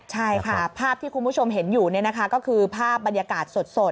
ใช่ค่ะภาพที่คุณผู้ชมเห็นอยู่ก็คือภาพบรรยากาศสด